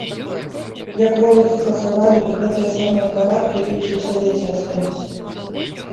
Як воласць скасавалі, дык гэтыя самыя парадкі і ў сельсавеце асталіся.